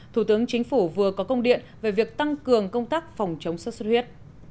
thủ tướng chính phủ vừa có công điện về việc tăng cường công tác phòng chống xuất xuất huyết